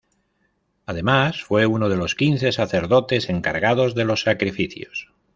Además fue uno de los quince sacerdotes encargados de los sacrificios.